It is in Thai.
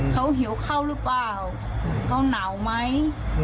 เขาเหี่ยวเข้าหรือเปล่าเขาหนาวไหม